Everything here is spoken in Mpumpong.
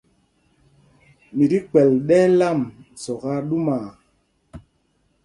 Mi ti kpɛ̌l ɗɛ̄l ām Zɔk aa ɗúmaa.